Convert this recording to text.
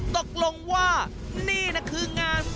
ตกลงว่านี่น่ะคืองานสุดท้าย